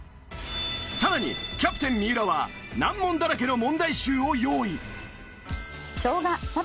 さらにキャプテン三浦は難問だらけの問題集を用意！